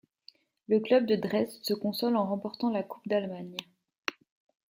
Le club de Dresde se console en remportant la Coupe d'Allemagne.